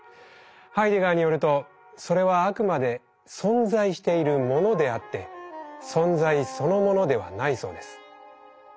ハイデガーによるとそれはあくまで「存在しているもの」であって「存在」そのものではないそうです。